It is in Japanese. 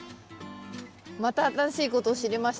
また新しいことを知りました。